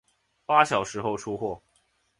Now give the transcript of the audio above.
八小时后出货